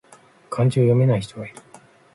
漢字を読めない人がいる